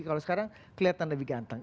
kalau sekarang kelihatan lebih ganteng